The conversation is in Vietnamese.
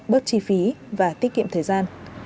bớt chi phí và tiết kiệm thời gian